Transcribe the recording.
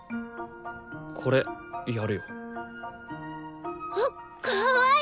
これやるよ。わっかわいい！